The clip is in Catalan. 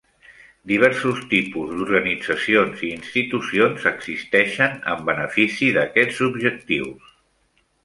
Diversos tipus d'organitzacions i institucions existeixen en benefici d'aquests objectius.